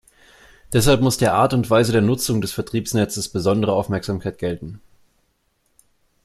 Deshalb muss der Art und Weise der Nutzung des Vertriebsnetzes besondere Aufmerksamkeit gelten.